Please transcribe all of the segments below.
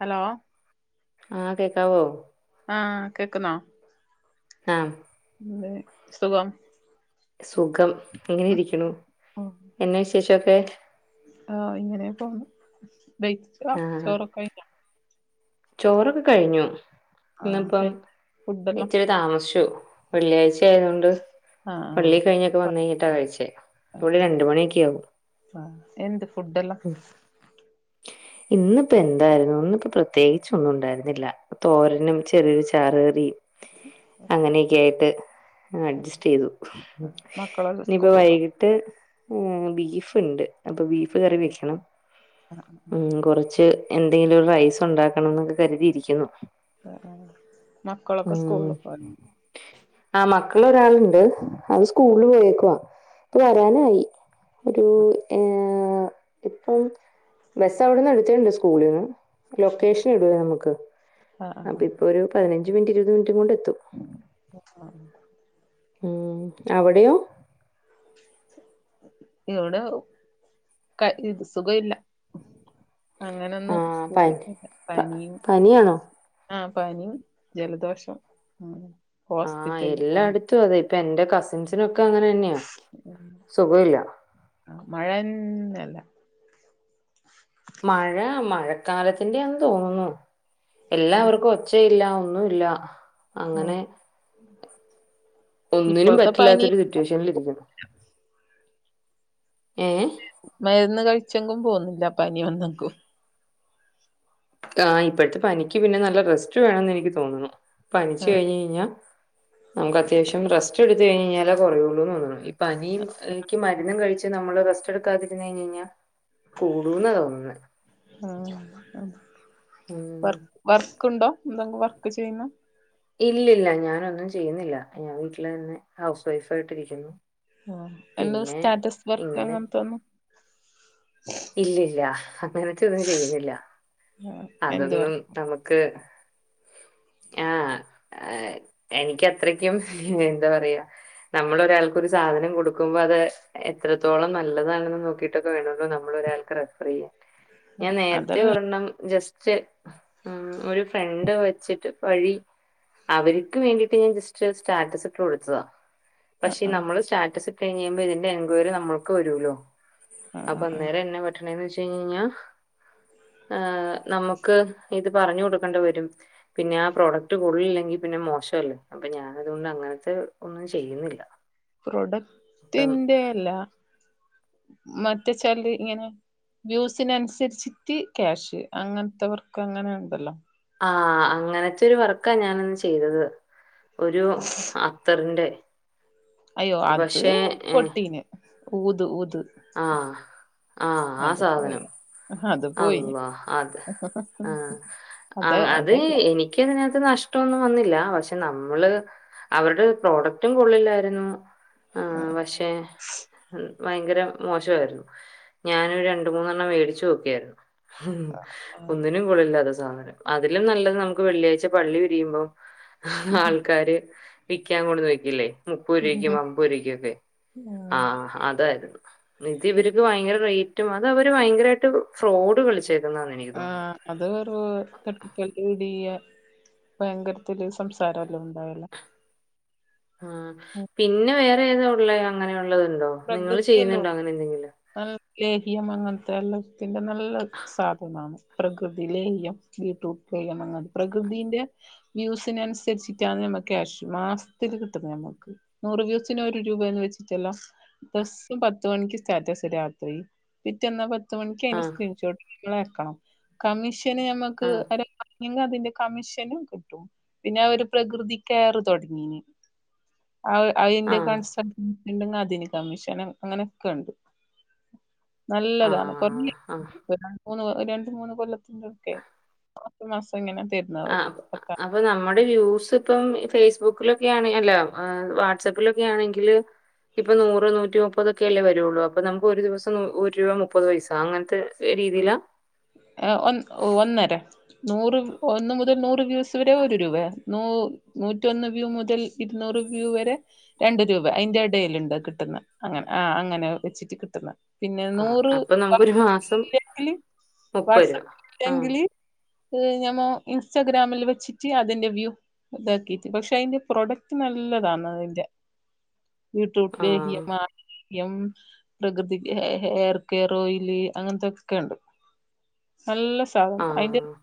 Hello ആ കേക്കാവോ ആ കേക്കുന്നോ ആഹ് ന്ത് സുഖം സുഖം ഇങ്ങനെ ഇരിക്കിണു എന്ന വിശേഷം ഒക്കെ ആ ഇങ്ങനെ പോന്നു ബെയ്ച്ചോ ആഹ് ചോറൊക്ക ചോറൊക്കെ കഴിഞ്ഞു ന്ന്പ്പം ആഹ് ഫുഡെല്ലാം ഇച്ചിരി താമസിച്ചു വെള്ളിയാഴ്ച ആയോണ്ട് ആഹ് പള്ളി കഴിഞ്ഞൊക്കെ വന്ന് കഴിഞ്ഞിട്ടാ ആഹ് കഴിച്ചേ അപ്പോഴ് രണ്ട് മണിയൊക്കെ ആകും ഫ എന്ത് ഫുഡെല്ലം ഇന്നിപ്പം എന്തായിരുന്നു ഇന്നിപ്പോ പ്ര പ്രത്യേകിച്ചൊന്നും ഉണ്ടായിര്ന്നില്ല തോരനും ചെറിയൊരു ചാറ് കറി അങ്ങനെക്കെ ഒക്കെ ആയിട്ട് അഡ്ജസ്റ്റ് ചെയ്തു മക്കള [inaudible] ഇന്നു വൈകിട്ട് ബീഫ് ഉണ്ട് അപ്പൊ ബീഫ് കറി വെക്കണം ഉ കുറച്ച് എന്തെങ്കിലും റൈസ് ഉണ്ടാക്കണം എന്നൊക്കെ കരുതിയിരിക്കുന്നു ആ മക്കളൊക്കെ ഉം സ്കൂള് പോയാ ആ മക്കള ഒരാളുണ്ട് അത് സ്കൂളിൽ പോയേക്കുവാ ഇപ്പ വരാനായി ഒരു ഏ ഇപ്പം ബസ്സ് അവിടെന്ന് എടുത്തിട്ടുണ്ട് സ്കൂളിൽന്ന് ലൊക്കേഷൻ ഇടും നമുക്ക് ആഹ് അപ്പൊ ആഹ് ഇപ്പൊ ഒരു പതിനഞ്ച് മിനിറ്റ് ഇരുപത് മിനിറ്റും കൊണ്ട് എത്തും ആഹ് ഉം അവിടെയോ? ഇവിടെ കയ് ഇത് സുഖ ഇല്ല ആ അങ്ങനെയൊന്നു സ്കൂളിൽ പനി പോയിട്ട് ഇല്ല പനിയും പനിയാണോ ആഹ പനിയും ജലദോഷം ഉം ആഹ് ഹോസ്പിറ്റലിൽ പോന്ന് എല്ലാടുത്തും അതെ ഇപ്പൊ എന്റെ കസിൻസിനൊക്കെ അങ്ങനെ തന്നെയ മഴന്നല്ല മഴ മഴക്കാലത്തിന്റെയാന്ന് തോന്നുന്നു ഉം എല്ലാവർക്കും ഒച്ചയില്ല ഒന്നുംല്ല ഉം അങ്ങനെ ഒന്നിനും ഇപ്പോഴത്തെ പനി പറ്റില്ലാത്തൊരു സിറ്റുവേഷനിലിരിക്കുന്നു ഏ... മരുന്ന് കഴിച്ചെങ്കും പോന്നുന്നില്ല പനി വന്നക്കും ആ് ഇപ്പോഴത്തെ പനിക്ക് പിന്നെ നല്ല റെസ്റ്റ് വേണന്ന് എനിക്ക് തോന്നുന്നു പനിച്ച് ആഹ് കഴിഞ്കഴിഞ്ഞാൽ നമുക്ക് അത്യാവശ്യം റെസ്റ്റ് എടുത്ത് കഴിഞ് കഴിഞ്ഞാലേ കുറയുള്ളൂന്ന് തോന്നു ഈ പനിയും ക്ക് മരുന്നും കഴിച്ച് നമ്മള് റെസ്റ്റ് എടുക്കാതിന്ന് കഴിഞ് കഴിഞ്ഞാൽ കൂടൂന്നാ തോന്നുന്നേ ഉം. [unintelligible] വർക്ക്ണ്ടോ എന്തെ വർക്ക് ചെയ്യുന്നോ? ഇല്ലില്ല ഞാനൊന്നും ചെയ്യുന്നില്ല ഞാൻ വീട്ടിൽ തന്നെ ഹൗസ് വൈഫ ആയിട്ടിരിക്കുന്നു ആ എന്തോ സ്റ്റാറ്റസ് വർക്ക് ഇങ്ങനെ അങ്ങനത്തോന്നും ഇല്ലില്ല അങ്ങനത്തെ ഒന്നും ചെയ്യുന്നില്ല ആഹ് എന്ത് അതൊന്നും വർക്ക് നമുക്ക് -ആഹ [unintelligible] എനിക്ക് അത്രയ്ക്കും എന്താ പറയാ നമ്മൾ ഒരാൾക്ക് ഒരു സാധനം കൊടുക്കുമ്പോ അത് എത്രത്തോളം നല്ലതാണെന്ന് നോക്കിട്ടൊക്കെ വേണള്ളൂ ന ഞാൻ നേരത്തെ അതല്ല ഒരെണ്ണം ജസ്റ്റ്‌ മ് ഒരു ഫ്രണ്ട് വെച്ചിട്ട് വഴി അവർക്ക് വേണ്ടി സ്റ്റാറ്റസ് ഇട്ട് കൊടുത്തതാ ആഹ് പക്ഷെ ആഹ് നമ്മള് സ്റ്റാസ്റ്റസ് ഇട്ട് കഴിയുമ്പോ ഇതിന്റെ എൻക്വയറി നമ്മൾക്ക് വരുല്ലോ ആഹ് ആഹ് ആഹ് അന്നേരം എന്നാ പറ്റണേന്ന് വെച്ച് കഴിഞ്ഞാആ നമുക്ക് ക്ക്‌ ഇത് പറഞ്ഞ് കൊടുക്കേണ്ടി വരും പിന്നെ ആ പ്രോഡക്ട് കൊള്ളില്ലെങ്കിൽ പിന്നെ മോശല്ലേ അപ്പൊ ഞാൻ അതുകൊണ്ട് അങ്ങനത്തെ ഒന്നും ചെയ്യുന്നില്ല അപ്പം പ്രൊഡക്ടിന്റെയല്ല മറ്റച്ചാല് ഇങ്ങനെ വ്യൂസിനനുസരിച്ചിട്ട് ക്യാഷ് അങ്ങനത്തെവർക്ക് അങ്ങനെ ഉണ്ടല്ലോ! ആഹ! അങ്ങനത്തെ ഒരു വർക്കാ ഞാനന്ന് ചെയ്തത് ഒരു അത്തറിന്റെ അയ്യോ! അത് പക്ഷെ പൊട്ടീന് ഊതു ഊതു ആഹ! അത് പോയി അത് പോയിന് അള്ളാ അത് ആഹ! അത ആഹ! അത് അതല്ല എനി- ക്ക് എനിക്കതിനകത്ത് നഷ്ടൊന്നും വന്നില്ല പക്ഷെ നമ്മള്- അവരുടെ പ്രോഡക്റ്റും കൊള്ളില്ലായിരുന്നു ആ.. ആഹ് പക്ഷെ ഭയങ്കര! മോശമായിരുന്നു ഞാന് ഒരു രണ്ടു മൂന്നെണ്ണം മേടിച്ച് നോക്കിയായിരുന്നു [unintelligible] എരിവും പുളിയും സാധനം അതിലും നല്ലത് നമുക്ക് വെള്ളിയാഴ്ച പള്ളി പിരിയുമ്പോ ആഹ് ആൾക്കാര് വിക്കാൻ കൊണ്ട്ന്ന് വെക്കില്ലേ മുപ്പരൂപക്കും അമ്പരയ്ക്കും ഒക്കെ ആഹ് അതായിരുന്നു ത് ഇവർക്ക് ഭയങ്കര റേറ്റും അത് അവര് ഭയങ്കരായിട്ട് ഫ്രോഡ് കളിച്ചേക്കുന്നാന്ന എനിക്ക് തോന്നുന്നത് ആഹ് അത് വെറും [unintelligible] ഇടിയ്യാ ഭയങ്കരത്തില് സംസാരല്ലം ഉണ്ടാവല് ആഹ് പിന്നെ വേറെ ഏതാ ഉള്ളെ അങ്ങനെ ഉള്ളത്ണ്ടോ പ്രഗൃതി എല്ലം ഉണ്ട് നല്ല ലേഹിയം അങ്ങൻത്തെഎല്ലം ന്റെ നല്ല സാധനാണ് പ്രകൃതി ലേഹ്യം വീട്ട്റൂട്ട് ലേഹ്യം അങ്ങ പ്രകൃതിന്റെ വ്യൂസിനനുസരിച്ചിട്ടാണ് നമ്മക്ക് ക്യാഷ് മാസത്തിൽ കിട്ടുന്ന് നമക്ക് നൂറ് വ്യൂസിന് ഒരു രൂപയന്ന് വെച്ചിട്ടല്ലോ ദിവസ്സം പത്ത്മണിക്ക് സ്റ്റാറ്റസ് രാത്രി പിറ്റന്നാ പത്ത് മണിക്ക് അയിനെ ആഹ് സ്ക്രീന്ഷോട്ട് വെക്കണം കമ്മീഷന് നമ്മക്ക് ആഹ് പറഞ്ഞങ്ങ് അതിന്റെ കമ്മീഷനും കിട്ടും പിന്നെ ഒര് പ്രകൃതി കയറ് തുടങ്ങീനി ആഹ് അതിന്റെ ആഹ് [unintelligible] അതിന് കമ്മിശനം അങ്ങനോക്ക ണ്ട് നല്ലതാണ് ആഹ് കുറഞ്ഞെ ആഹ് മൂന്ന് രണ്ട് മൂന്ന് കൊല്ലത്തിന്റെട്ക്കയി മാസം ഇങ്ങനെ തരുന്ന് അവര് ആഹ് പത്ത അപ്പൊ നമ്മുടെ വ്യൂസ് ഇപ്പം ഫേസ്ബുക്കിലൊക്കെണ അല്ല വാട്സആപ്പിലൊക്കെ ആണെങ്കില് ഇപ്പൊ നൂറ് നൂറ്റി മുപ്പതൊക്കെ അല്ലേ വരുള്ളൂ അപ്പൊ നമുക്ക് ഒരു ദിവസം ഒരു രൂപ മുപ്പത് പൈസ അങ്ങനത്തെ രീതിയിലാ ഏ ഒ ഒന്നര നൂറ് ഒന്ന് മുതൽ നൂറ് വ്യൂസ് വരെ ഒരു രൂപ നു നൂറ്റന്ന് വ്യൂ മുതൽ ഇരുന്നൂറ് വ്യൂ വരെ രണ്ട് രൂപ അയിന്റെ ടെൽണ്ട് കിട്ടുന്ന അങ്ങനെ ആഹ് അങ്ങനെ വെച്ചിട്ട് കിട്ടുന്ന പിന്നെ ആഹ് നൂറ് അപ്പൊ നമുക്കൊരു വട്സപ്പ് മാസം ഇല്ലങ്കില് മുപ്പത് രൂപ. ആഹ് വാട്സആപ്പ്ല്ലെങ്കില് ഞമ്മോ ഇൻസ്റ്റഗ്രാമിൽ വെച്ചിട്ട് അതിന്റെ വ്യൂ ഇതാക്കിട്ട് പക്ഷെ അതിന്റെ പ്രൊഡക്റ്റ് നല്ലതാണ് അതിന്റെ വീട്ട്റൂട്ട് ലേഹ്യം ആഹ് മാ യം പ്രകൃതി ഹെയർ കെയർ ഓയില് അങ്ങനത്തെക്കെണ്ട് നല്ല സാധനം അതിന്റെ ആഹ്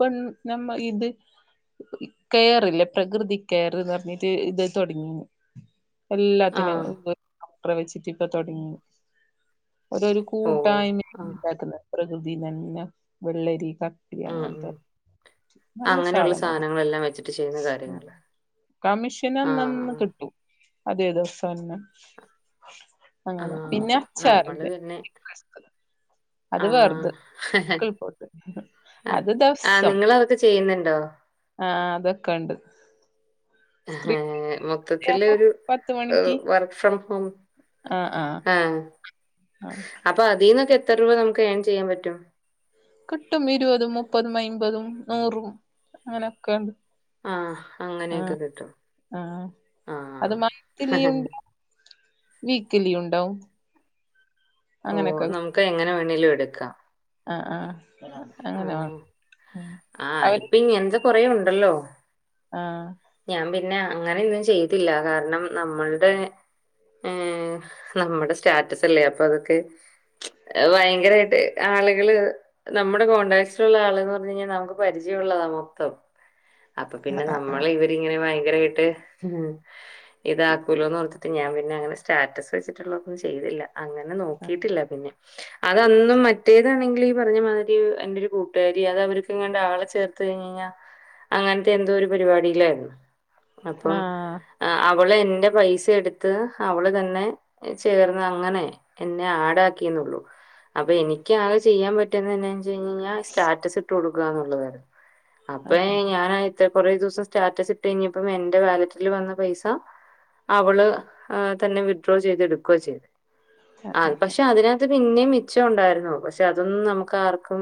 പെൺ നമ്മ ഇത് കയറില്ലേ പ്രകൃതി കയർന്ന് പറഞ്ഞിട്ട് ഇത് തൊടങ്ങീന് എല്ലാത്തിനും ആഹ് ഡോക്ടറെ വെച്ചിട്ട് ഇപ്പ തുടങ്ങിന് അതൊരു ഓഹ് കൂട്ടായ്മ ആഹ് ണ്ടാക്കുന്ന പ്രകൃതി തന്നെ വെള്ളരി കക്കരി ഉം ഉം അങ്ങനത്തെ നല്ല അങ്ങനെയുള്ള സാധന അത് സാധനങ്ങളെല്ലാം വെച്ചിട്ട് ചെയ്യുന്ന കാര്യങ്ങള് കമ്മീഷന് അന്നന്ന് ആഹ് കിട്ടും അതെ അതെ ഫന്ന അങ്ങന ആഹ് പിന്ന നമ്മള് അച്ചാറിന്റെ പിന്നെ [unintelligible] അത് വെറത് ആഹ് കിൽപോട്ട് അത് ആഹ് ദവസം നിങ്ങളതൊക്കെ ചെയ്യുന്നുണ്ടോ ആഹ് അതൊക്ക ണ്ട് ഹെ മൊത്തത്തില് ആകുമ്പോ ഒരു പത്ത് മണിക്ക് വർക്ക് ഫ്രം ഹോം ആഹ് ആഹ് ആഹ് ആഹ് അപ്പ അതിൽന്നൊക്ക എത്ര രൂപ നമക്ക് ഏൺ ചെയ്യൻ പറ്റും കിട്ടും ഇരുപതും മുപ്പതും അയിമ്പതും നൂറും അങ്ങനെയൊക്കെണ്ട് ആഹ് അങ്ങനെയൊക്കെ ആഹ് കിട്ടും ആഹ് ആഹ് അത് മാസത്തില്ണ്ടാവും വീക്ക്ലി ഉണ്ടാവും ഓ അങ്ങനെയൊക്കെ നമുക്ക് എങ്ങനെ വേണെങ്കിലും എടുക്കാം ആഹ് ആഹ് അങ്ങനെ വേണം ആഹ ഉം ആഹ് അവര് ഇപ്പൊ ഇങ്ങെനത്തെ കൊറേ ഉണ്ടല്ലോ. ആഹ ഞാൻ പിന്നെ അങ്ങനൊന്നും ചെയ്തില്ല കാരണം നമ്മളുടെ മ് നമ്മുടെ സ്റ്റാറ്റസ് അല്ലേ അപ്പൊ അതൊക്കെ ഭയങ്കരായിട്ട് ആളുകള് നമ്മുടെ കോൺടാക്സിലുള്ള ആള്ന്ന് പറഞ്ഞാ നമുക്ക് പരിചയം ഉള്ളതാ മൊത്തം. അപ്പൊ പിന്നെ ആഹ് നമ്മള് ഇവരിങ്ങനെ ഭയങ്കരവായിട്ട് ഉ ഇതാക്കൂലോന്ന് ഓർത്തിട്ട് ഞാൻ പിന്നെ അങ്ങനെ സ്റ്റാറ്റസ് വെച്ചിട്ടുള്ള ഒന്നും ചെയ്തില്ല. അങ്ങനെ നോക്കിട്ടില്ല പിന്നെ അതന്നും മറ്റേതാണെങ്കി പറഞ്ഞ മാതിരി എന്റെ ഒരു കൂട്ടുകാരി അത് അവർക്ക്ങ്ങാണ്ടെ ആളെ ചേർത്ത് കഴിഞ്ഞഞ്ഞാൽ അങ്ങനത്തെ എന്തോ ഒരു പരിപാടിയിലായിരുന്നു അപ്പം ആഹ് ആ അവള് എന്റെ പൈസ എടുത്ത് അവള് തന്നെ ചേർന്ന് അങ്ങനെ എന്നെ ആടാക്കി ന്നെള്ളു അപ്പൊ എനിക്ക് ആകെ ചെയ്യാൻ പറ്റന്ന് തന്നെ ച്ചാ കഴിഞ്ഞാ സ്റ്റാറ്റസ് ഇട്ട് കൊടുകന്ന് ഉള്ളതാണ് അപ്പഴാ ആഹ് എനി ഞാനയച്ചകുറേ ദിവസം സ്റ്റാറ്റസ് ഇട്ട് കഴിഞ്ഞപ്പം എന്റെ വാലറ്റിൽ വന്ന പൈസ അവള് ആഹ് തന്നെ വിഡ്രോ ചെയ്തെടുക്കുകയ ചെയ്ത് ആ പക്ഷെ അതിന് ഇത് പിന്നെയും മിച്ചം ഉണ്ടായിരുന്നു പക്ഷെ അതൊന്നും നമുക്ക് ആർക്കും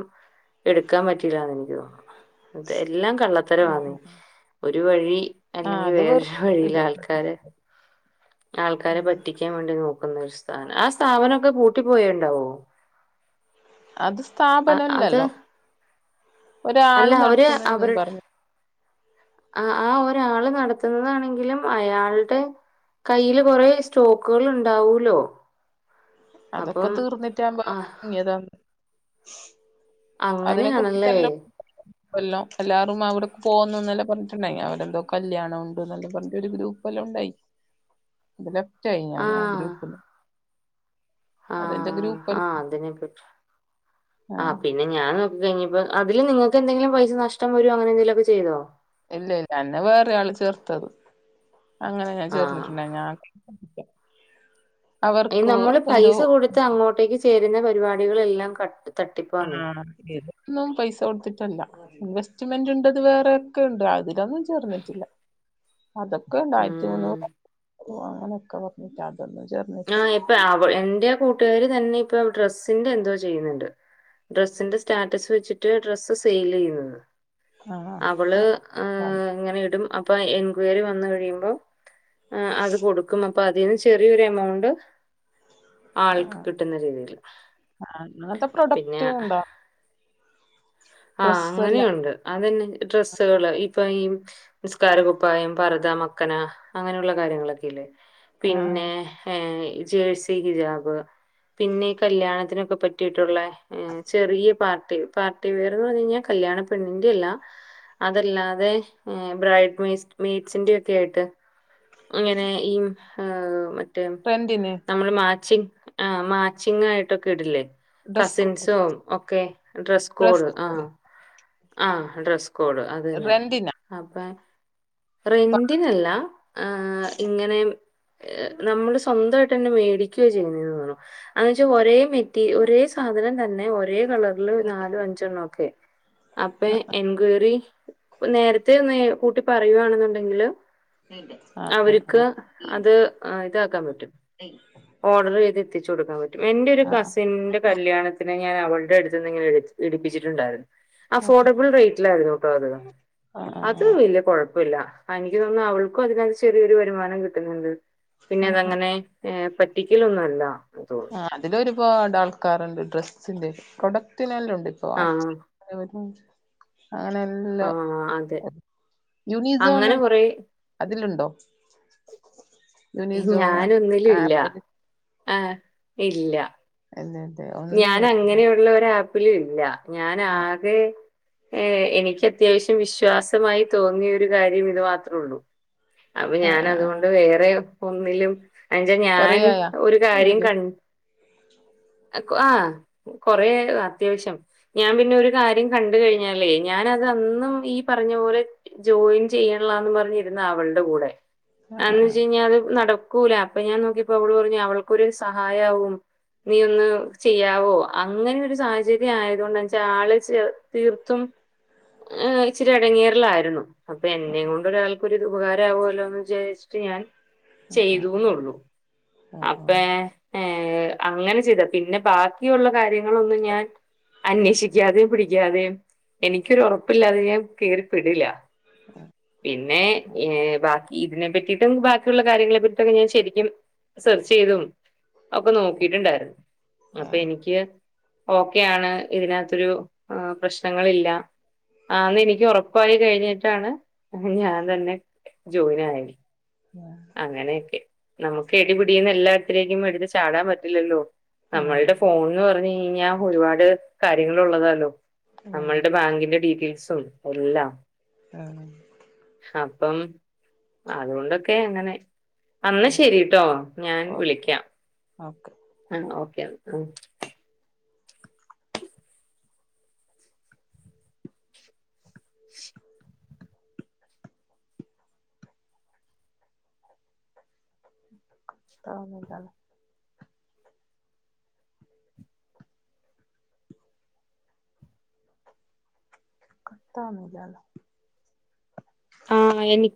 എടുക്കാൻ പറ്റിയില്ലന്ന് എനിക്ക് തോന്നുന്നു എല്ലാം കള്ള അ അ അ അല്ലെങ്കിൽ അത് വേറൊരു വെറും വഴിയിൽ ആൾക്കാരെ [unintelligible] ആൾക്കാരെ പറ്റിക്കാൻ വേണ്ടി നോക്കുന്ന ഒരു സ്ഥാനം ആ സ്ഥാപനമൊക്കെ പൂട്ടി പോയിണ്ടാവോ അത് അത് സ്ഥാപനല്ലല്ലോ അല്ല ഒരാള് അവര് നടത്തുന്നന്ന് എന്ന് പറഞ്ഞ് ആഹ് ആഹ് ഒരാള് നടത്തുന്നതാണെങ്കിലും അയാൾടെ കയ്യിൽ കുറേ സ്റ്റോക്കുകൾ ഉണ്ടാവൂലോ അതൊക്കെ അപ്പം തീർന്നിട്ടാമ്പോൾ ആഹ് മുങ്ങിയാ അതിനെ [unintelligible] അങ്ങനെയാണല്ലേ കൊല്ലം എല്ലാരും അവിടെ പോകുന്നുന്നല്ല പറഞ്ഞിട്ടുണ്ടായിലെ അവരെന്തോ കല്യാണം ഉണ്ട് എന്നല്ലെ പറഞ്ഞിട്ട് ഒരു ഗ്രൂപ് പ്പെല്ലാം ഉണ്ടായി ലെഫ്റ്റ് ആയി ഞാൻ ആ ആഹ് ഗ്രൂപ്പ് അതെന്റെ ആഹ് ആഹ് അതിനെപ്പറ്റി ആ പിന്നെ ഞാൻ നോക്കി കഴഞ്ഞപ്പ അതി നിങ്ങക്ക് എന്തെങ്കിലും പൈസ നഷ്ടം വരോ അങ്ങനെ എന്തെലുക്കെ ചെയ്തോ. ഇല്ല ഇല്ല എന്നെ വേറെ ആള് ചേർത്തത് അങ്ങനെ ഞാൻ ആഹ് ചേർന്നിട്ടുണ്ട ഞാ അവർക്കോ എന്തോ ത്ത് അങ്ങോട്ടേക്ക് ചേരുന്ന പരിപാട് [unintelligible] ഇതൊന്നും പൈസ കൊടുത്തിട്ടല്ല ഇൻവെസ്റ്റ്മെന്റ് ഉണ്ട്ത് വേറെക്കെ ഉണ്ട് അതിലൊന്നും ചേർന്നിട്ടില്ല. അതൊക്കെ രണ്ടായിരത്തി ഉം മുന്നൂറ് അങ്ങനൊക്കെ പറഞ്ഞിട്ട് അതൊന്നും ചേർ ആഹ് ഇപ്പ അവ എന്റെ ആ കൂട്ടുകാര് തന്നെ ഇപ്പൊ ഡ്രസ്സിന്റെ എന്തോ ചെയ്യുന്നുണ്ട്. ഡ്രസ്സിന്റെ സ്റ്റാറ്റസ് വെച്ചിട്ട് ഡ്രസ്സ് സെയിൽ ചെയ്യുന്നത്. ആ അവള് ആഹ് അഹ് ഇങ്ങനെ ഇടും അപ്പൊ എൻക്വയറി വന്നു കഴിയുമ്പോ ആഹ് അത് കൊടുക്കും അപ്പൊ അതിന്ന് ചെറിയൊരു എമൗണ്ട് ആൾക്ക് ആഹ് കിട്ടുന്ന രീതിയിൽ ആഹ് അങ്ങനത്തെ പിന്നെ പ്രൊഡക്റ്റും ഉണ്ടോ ആഹ് ഡ്രസ്സ് എല്ലാം അങ്ങനെയുണ്ട് അതിന്ന് ഡ്രെസ്സുകള് ഇപ്പൊ ഈ നിസ്കാര കുപ്പായം, പർത, മക്കന അങ്ങനെയുള്ള കാര്യങ്ങളൊക്കെല്ലേ ആഹ് ആഹ് പിന്നെ ഏഹ് ജേഴ്സി ഹിജാബ് പിന്നെ ഈ കല്യാണത്തിനൊക്കെ പറ്റിയിട്ടുള്ളെ മ് ചെറിയ പാർട്ടി പാർട്ടിവെയർ എന്ന് പറഞ്ഞ് കഴിഞ്ഞാൽ കല്യാണ പെണ്ണിൻന്റെയല്ലാ അതല്ലാതെ ബ്രൈഡ് മീസ് മീഡ്സിന്റെ ഒക്കെ ആയിട്ട് അങ്ങനെ ഈ അ മറ്റേ റെന്റിന് നമ്മള് മാച്ചിങ് ആഹ് മാച്ചിങ് ആയിട്ടൊക്കെ ഇടില്ലേ ഡ്രസ് കോഡ് കസിൻസും ഒക്കെ ഡ്രസ്സ് കോഡ് ആഹ് ആഹ് ഡ്രസ് കോഡ് അതന്നെ റെന്റിനാ അപ്പൊ റെന്റിനല്ല ആഹ് ഇങ്ങനെ നമ്മള് സ്വന്തമായിട്ടന്നെ മേടിക്കുവാചെയ്യുന്നെന്നു തോന്നുന്നു എന്നുവെച്ചാ ഒരേ മെറ്റി ഒരേ സാധനം തന്നെ ഒരേ കളറില് നാലോ അഞ്ചണ്ണം ഒക്കെ അപ്പൊ എൻക്വയറി നേരത്തെ നേ കൂട്ടി പറയുവാണെന്നുണ്ടെങ്കില് ആഹ് ആഹ് അവർക്ക് ആഹ് അത് ആ ഇതാക്കാൻ പറ്റും അ [unintelligible] ഓർഡർ ചെയ്ത് എത്തിച്ച് കൊടുക്കാൻ പറ്റും എന്റെ ഒരു ആഹ് കസിന്റെ കല്യാണത്തിന് ഞാൻ അവളടെ അടുത്ത് നിന്നിങ്ങനെ എടു എടുപ്പിച്ചിട്ടുണ്ടായിരുന്നു. ആഹ് അഫോർഡബിൾ റേറ്റിലായിരുന്നു ട്ടോ അത് ആഹ് അത് വലിയ കുഴപ്പ പ്പമില്ല എനിക്ക് തോന്നുന്നു അവൾക്കും അതിനകത്ത് ചെറിയൊരു വരുമാനം കിട്ടുന്നുണ്ട് പിന്നെ ആഹ് ആഹ് അതങ്ങനെ ഏഹ് പറ്റിക്കലൊന്നും അല്ല. ആ ഹ് അതിന് ഒരുപാട് ആൾക്കാറണ്ട് ഡ്രസ്സിന്റെ പ്രൊഡക്റ്റനല്ലാം ഉണ്ട് ഇപ്പൊ ആ [unintelligible] അങ്ങനെല്ല ആ അതെ യൂണസോൺ അങ്ങനെ കുറെ [unintelligible] അതിലുണ്ടോ യൂണിസോൺ ഞാന് ഒന്നിലു ഇല്ല ആപ്പില് ആഹ് ഇല്ല ഇല്ല ഇല്ലേ ഓക്കേ ഞാൻ അങ്ങനെയുള്ള ഒര് ആപ്പിലു ഇല്ല ഞാൻ ആഹ് ആകെ ഏഹ് എനിക്ക് അത്യാവശ്യം വിശ്വാസമായി തോന്നിയ ഒരു കാര്യം ഇത് മാത്രേ ഉള്ളൂ അപ്പൊ ഞാൻ ആഹ് ആഹ് അതുകൊണ്ട് വേറെ ഒന്നിലും [unintelligible] ഞാൻ കൊറേയായ ഒരു കാര്യം ഇതില് കണ്ട് അക്കു ആഹാ കൊറേ അത്യാവശ്യം ഞാൻ പിന്നെ ഒരു കാര്യം കണ്ട് കഴിഞ്ഞാലേ ഞാൻ അത് അന്നും ഈ പറഞ്ഞ പോലെ ജോയിൻ ചെയണ്ല്ലാന്നും പറഞ്ഞിരുന്ന അവൾടെ കൂടെ ആഹ് എന്ന് ആഹ് വെച്ച് കഴിഞ്ഞാൽ അത് നടക്കൂല അപ്പ ഞാൻ നോക്കിപ്പോ അവളു പറഞ്ഞു അവൾക്കൊരു സഹായാവുന്ന് നീ ഒന്ന് ആവോ അങ്ങനെ ഒരു സാഹചര്യം ആയതൊണ്ടെന്നെച്ചാൽ ആള് ചെ തീർത്തും ഏഹ് ഇച്ചിരി എടങ്ങേറിലായിരുന്നു അപ്പൊ എന്നേം കൊണ്ട് ഒരാൾക്കൊരു ഇത് ഉപകാരമാവുമല്ലോ എന്ന് വിചാരിച്ചിട്ട് ഞാൻ ആഹ് ആഹ് ചെയ്തുന്നുള്ളു ആഹ് അപ്പേ ആഹ് ഏഹ് അങ്ങനെ ചെയ്ത പിന്നെ ബാക്കിയുള്ള കാര്യങ്ങളൊന്നും ഞാൻ അന്വേഷിക്കാതെയും പിടിക്കാതെയും എനിക്കൊരു ഉറപ്പില്ലാതെ ഞാൻ കേറിപ്പെടില്ല പിന്നെ ഏഹ്ഹ് ബാക്കി ഇതിനെ പറ്റിട്ടും ബാക്കിയുള്ള കാര്യങ്ങളെ പറ്റിട്ടുംക്കെ ഞാൻ ശെരിക്കും സെർച്ചെയ്തും ഒക്കെ നോക്കിയിട്ടുണ്ടായിരുന്നു. ആഹ് അപ്പഎനിക്ക് ഓക്കെയാണ് ഇതിനകത്തൊരു പ്രശ്നങ്ങളില്ല ആന്ന് എനിക്ക് ഉറപ്പായി കഴിഞ്ഞിട്ടാണ് ഞാൻ തന്നെ ജോയിൻ ആയി അങ്ങനെക്കെ നമുക്ക് എടിപിടീന്ന് എല്ലാടത്തിലേക്കും എടുത്ത് ചാടാൻ പറ്റില്ലല്ലോ ആഹ് നമ്മളുടെ ഫോൺന്ന് പറഞ്ഞ് കഴിഞ്ഞ ഒരുപാട് കാര്യങ്ങൾഉള്ളതാല്ലോ നമ്മൾടെ ബാങ്കിന്റെ ഡീറ്റെയിൽസും എല്ലാം ആഹ് അപ്പം അതുകൊണ്ടൊക്കെ അങ്ങനെ അന്നാ ശരീട്ടോ ഞാൻ ഓക്കെ വിളിക്കാം ഓക്കെ ആഹ് ഓക്കെ ആഹാ [unintelligible] [unintelligible] ആഹ് എനിക്ക്